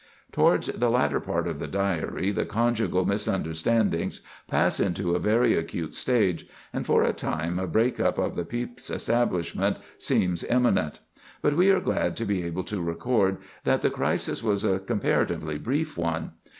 Towards the latter part of the Diary the conjugal misunderstandings pass into a very acute stage, and for a time a break up of the Pepys establishment seems imminent. But we are glad to be able to record that the crisis was a comparatively brief one.